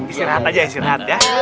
istirahat aja istirahat ya